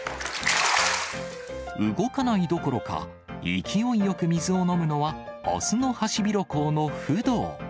動かないどころか、勢いよく水を飲むのは、雄のハシビロコウのフドウ。